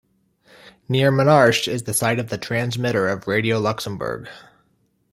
Near Marnach is the site of the transmitter of Radio Luxembourg.